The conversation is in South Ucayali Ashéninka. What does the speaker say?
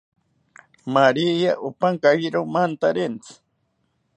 Maria opankayiro mantarentzi